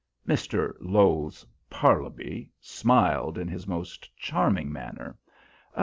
Mr. Lowes Parlby smiled in his most charming manner.